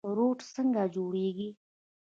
روټ څنګه جوړیږي؟